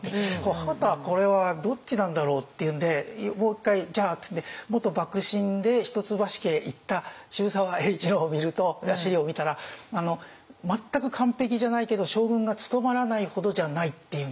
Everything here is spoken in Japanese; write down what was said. はたこれはどっちなんだろうっていうんでもう一回じゃあっていって元幕臣で一橋家へいった渋沢栄一のを見ると史料を見たら全く完璧じゃないけど将軍が務まらないほどじゃないっていうんです。